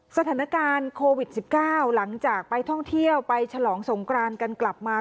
สถานการณ์โควิด๑๙หลังจากไปท่องเที่ยวไปฉลองสงกรานกันกลับมา